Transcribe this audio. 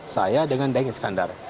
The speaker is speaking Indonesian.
saya dengan daeng iskandar